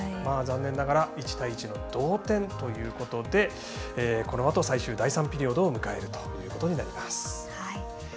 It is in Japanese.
残念ながら１対１の同点ということでこのあと、最終第３ピリオドを迎えるということになります。